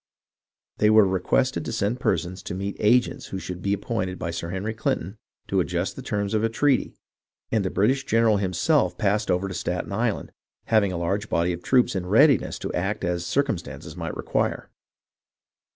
They were requested to send persons to meet agents who should be appointed by Sir Henry Clinton to adjust the. terms of a treaty, and the British general himself passed over to Staten Island, having a large body of troops in readiness to act as circumstances might require.